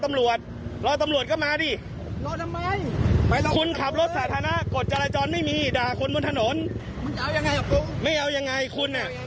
ไม่ด่าคนของถนนมึงจะเอายังไงกับพวกไม่เอายังไงคนอ่ะ